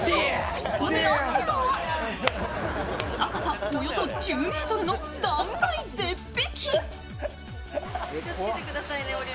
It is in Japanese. そこにあったのは高さおよそ１０ｍの断崖絶壁。